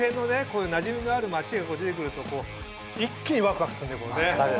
こういうなじみのある街が出て来ると一気にわくわくするんだよ。